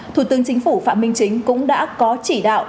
thủ tướng chính phủ phạm minh chính cũng đã có chỉ đạo